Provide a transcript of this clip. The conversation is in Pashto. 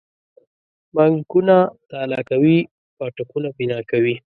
بانکونه تالا کوي پاټکونه بنا کوي.